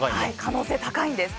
可能性高いんです。